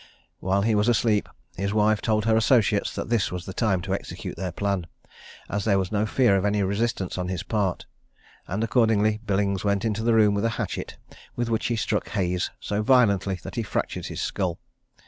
When he was asleep, his wife told her associates that this was the time to execute their plan, as there was no fear of any resistance on his part, and accordingly Billings went into the room with a hatchet, with which he struck Hayes so violently that he fractured his skull.